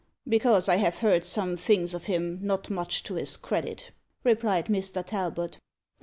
"Because I have heard some things of him not much to his credit," replied Mr. Talbot.